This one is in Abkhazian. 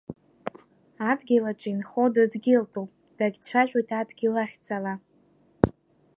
Адгьыл аҿы инхо дыдгьылтәуп дагьцәажәоит адгьыл ахьӡала.